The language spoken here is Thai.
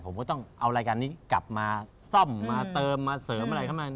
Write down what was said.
ผมก็ต้องเอารายการนี้กลับมาซ่อมมาเติมมาเสริมอะไรเข้ามา